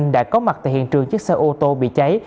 đã có mặt tại hiện trường chiếc xe ô tô bị cháy